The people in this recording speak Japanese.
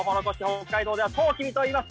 北海道ではトウキビといいます